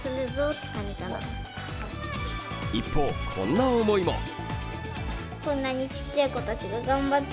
一方、こんな思いも。